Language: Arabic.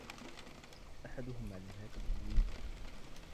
أحدهم على الهاتف يريدك.